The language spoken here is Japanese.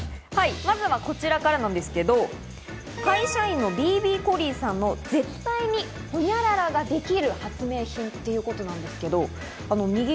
まずはこちらからなんですが、会社員のＢＢコリーさんの絶対にほにゃららができる発明品ということなんです。